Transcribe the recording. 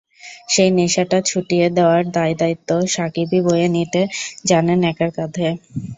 সেই নেশাটা ছুটিয়ে দেওয়ার দায়দায়িত্ব সাকিবই বয়ে নিতে জানেন একার কাঁধে।